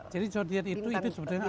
jadi zodiac itu sebenarnya adalah